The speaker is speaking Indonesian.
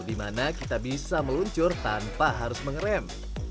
di mana kita bisa meluncur tanpa harus mengerem